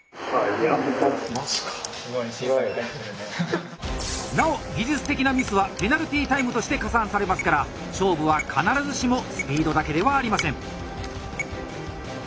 タイムはなお技術的なミスはペナルティータイムとして加算されますから勝負は必ずしもスピードだけではありません。